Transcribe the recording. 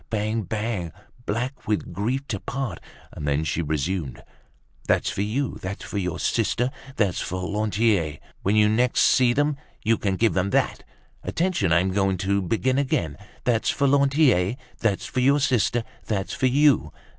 Bang! Bang! Black with grief to part." And then she resumed, "That's for you, that's for your sister. That's for Lantier. When you next see them, You can give them that. Attention! I'm going to begin again. That's for Lantier, that's for your sister. That's for you.